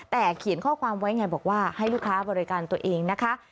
แต่เขียนข้อความไว้ไงบอกว่าให้ลูกค้าบริการตัวเองนะคะ